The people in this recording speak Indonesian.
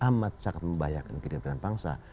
amat sangat membahayakan kehidupan bangsa